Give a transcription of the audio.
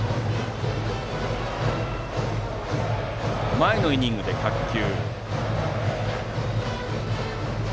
前のイニングで１００球。